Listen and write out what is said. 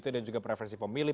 dan juga preferensi pemilih